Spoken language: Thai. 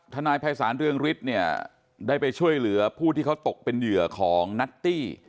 นายภัยศาลเรืองฤทธิ์เนี่ยได้ไปช่วยเหลือผู้ที่เขาตกเป็นเหยื่อของนัตตี้